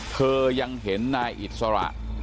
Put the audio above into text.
เธอยังเห็นนายอิสระ